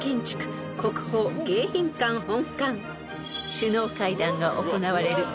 ［首脳会談が行われる］